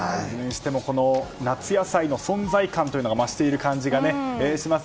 夏野菜の存在感というのが増している感じがします。